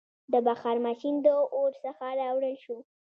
• د بخار ماشین د اور څخه راوړل شو.